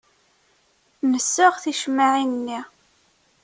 Nessaɣ ticemmaɛin-nni.